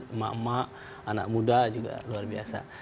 emak emak anak muda juga luar biasa